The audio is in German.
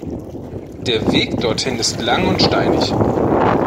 Der Weg dorthin ist lang und steinig.